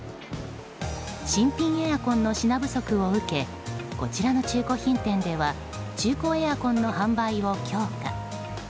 新品エアコンの品不足を受けこちらの中古品店では中古エアコンの販売を強化。